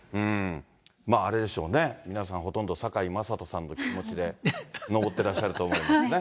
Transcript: あれでしょうね、皆さんほとんどさかいまさとさんの気持ちでのぼってらっしゃると思いますね。